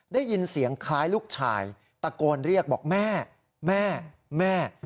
ได้ยินเสียงคล้ายลูกชายตะโกนเรียกบอกแม่แม่แม่